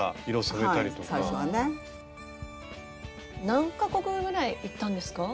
何か国ぐらい行ったんですか？